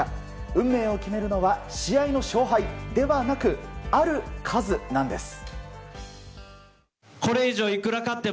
運命を決めるのは試合の勝敗ではなくある数なんです。